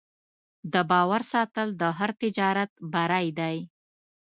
د باور ساتل د هر تجارت بری دی.